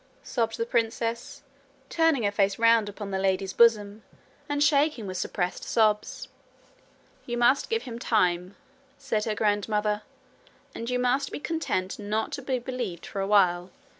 sobbed the princess, turning her face round upon the lady's bosom, and shaking with suppressed sobs. 'You must give him time,' said her grandmother; 'and you must be content not to be believed for a while.